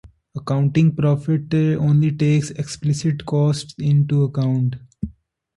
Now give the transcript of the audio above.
Accounting profit only takes explicit costs into account.